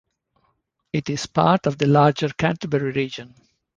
It is part of the larger Canterbury region.